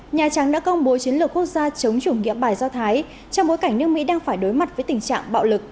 nhà trắng đã công bố chiến lược quốc gia chống chủ nghĩa bài do thái trong bối cảnh nước mỹ đang phải đối mặt với tình trạng bạo lực